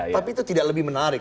tapi itu tidak lebih menarik